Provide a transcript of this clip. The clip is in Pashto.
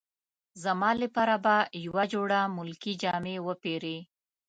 زما لپاره به یوه جوړه ملکي جامې وپیرې.